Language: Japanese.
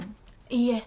いいえ。